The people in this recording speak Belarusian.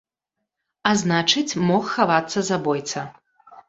А значыць, мог хавацца забойца.